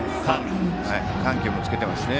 緩急もつけてますね。